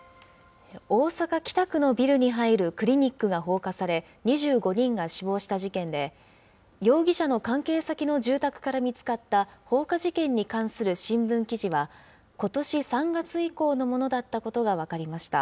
大阪・北区のビルに入るクリニックが放火され、２５人が死亡した事件で、容疑者の関係先の住宅から見つかった放火事件に関する新聞記事は、ことし３月以降のものだったことが分かりました。